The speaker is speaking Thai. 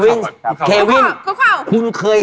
ชิ้นทุเรียนชิ้นทุเรียน